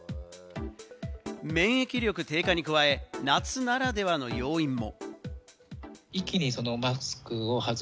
免疫力低下に加え、夏ならではの要因も。